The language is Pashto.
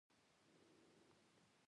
صحراګان په ګرمو سیمو کې دي.